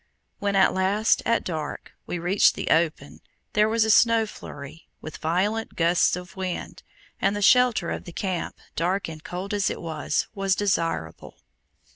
When at last, at dark, we reached the open, there was a snow flurry, with violent gusts of wind, and the shelter of the camp, dark and cold as it was, was desirable.